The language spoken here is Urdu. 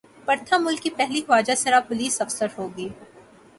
پرتھا ملک کی پہلی خواجہ سرا پولیس افسر ہو گی